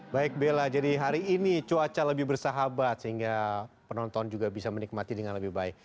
baik bella jadi hari ini cuaca lebih bersahabat sehingga penonton juga bisa menikmati dengan lebih baik